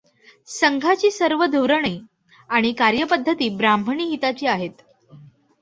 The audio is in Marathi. संघाची सर्व धोरणे आणि कार्यपद्धती ब्राह्मणी हिताची आहेत.